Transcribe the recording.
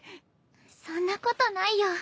そんなことないよ。